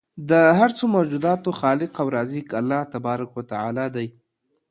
د هر څه موجوداتو خالق او رازق الله تبارک و تعالی دی